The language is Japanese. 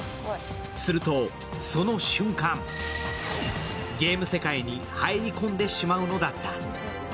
すると、その瞬間、ゲーム世界に入り込んでしまうのだった。